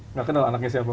nggak kenal anaknya siapa